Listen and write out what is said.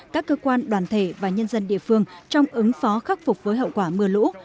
các cơ quan đoàn thể và nhân dân địa phương trong ứng phó khắc phục với hậu quả mưa lũ